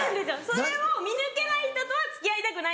それを見抜けない人とは付き合いたくないんです。